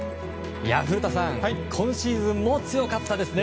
古田さん、今シーズンも強かったですね。